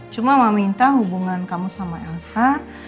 cuma mama minta hubungan kamu sama elsa